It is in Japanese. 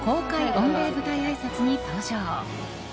御礼舞台あいさつに登場。